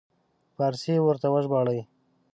په فارسي یې ورته وژباړي.